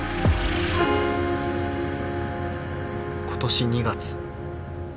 今年２月。